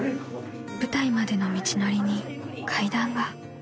［舞台までの道のりに階段が］